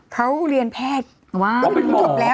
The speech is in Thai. เขาเรียนแพทย์